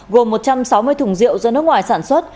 gồm một trăm sáu mươi thùng rượu do nước ngoài sản xuất